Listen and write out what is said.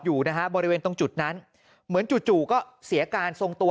อยู่นะฮะบริเวณตรงจุดนั้นเหมือนจู่จู่ก็เสียการทรงตัว